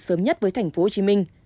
sớm nhất với tp hcm